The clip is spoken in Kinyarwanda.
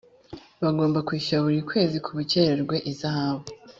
bagomba kwishyura buri kwezi k ubukererwe ihazabu.